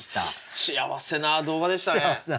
幸せな動画ですね。